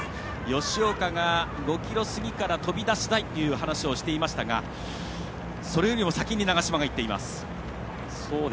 吉岡が５ｋｍ過ぎから飛び出したいという話をしていましたがそれよりも先に長嶋がいっています。